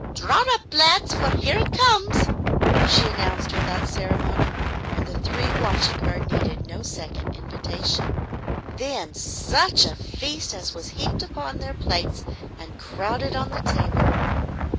Draw up, lads, for here it comes!" she announced without ceremony, and the three watching her needed no second invitation. Then such a feast as was heaped upon their plates and crowded on the table.